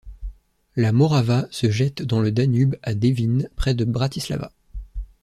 La Morava se jette dans le Danube à Devín, près de Bratislava.